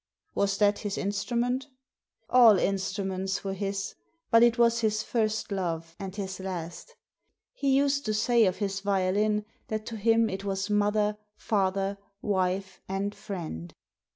" Was that his instrument ?" ''All instruments were his. But it was his first love, and his last ! He used to say of his violin that to him it was mother, father, wife, and friend."